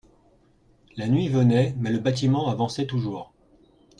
La nuit venait, mais le bâtiment avançait toujours.